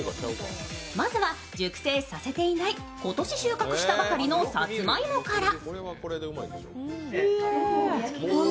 まずは熟成させていない今年収穫したばかりのさつまいもから。